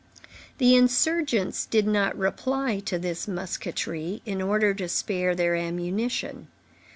The insurgents did not reply to this musketry, in order to spare their ammunition.